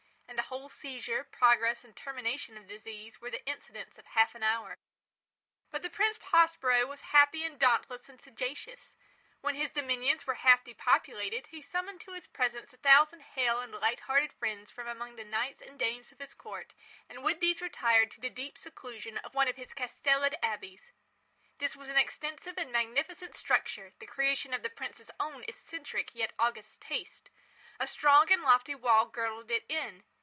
And the whole seizure, progress and termination of the disease, were the incidents of half an hour. But the Prince Prospero was happy and dauntless and sagacious. When his dominions were half depopulated, he summoned to his presence a thousand hale and light hearted friends from among the knights and dames of his court, and with these retired to the deep seclusion of one of his castellated abbeys. This was an extensive and magnificent structure, the creation of the prince's own eccentric yet august taste. A strong and lofty wall girdled it in.